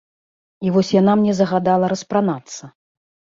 І вось яна мне загадала распранацца.